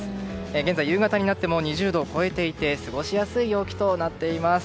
現在、夕方になっても２０度を超えていて過ごしやすい陽気となっています。